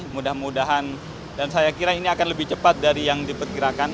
mudah mudahan dan saya kira ini akan lebih cepat dari yang diperkirakan